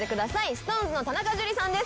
ＳｉｘＴＯＮＥＳの田中樹さんです